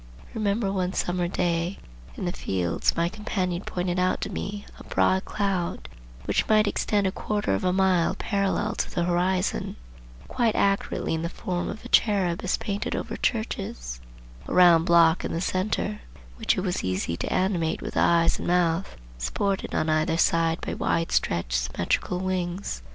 I remember one summer day in the fields my companion pointed out to me a broad cloud, which might extend a quarter of a mile parallel to the horizon, quite accurately in the form of a cherub as painted over churches,—a round block in the centre, which it was easy to animate with eyes and mouth, supported on either side by wide stretched symmetrical wings.